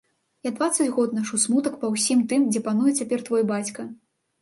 Я дваццаць год нашу смутак па ўсім тым, дзе пануе цяпер твой бацька.